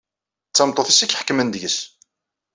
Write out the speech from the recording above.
D tameṭṭut-is i iḥekmen deg-s.